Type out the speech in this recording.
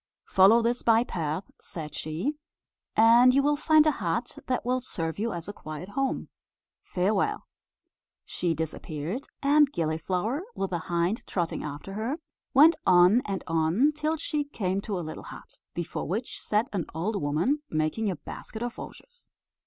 "Follow this by path," said she, "and you will find a hut that will serve you as a quiet home. Farewell." She disappeared, and Gilliflower, with the hind trotting after her, went on and on, till she came to a little hut, before which sat an old woman, making a basket of osiers.